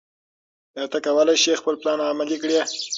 ایا ته کولای شې خپل پلان عملي کړې؟